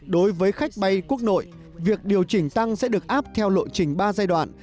đối với khách bay quốc nội việc điều chỉnh tăng sẽ được áp theo lộ trình ba giai đoạn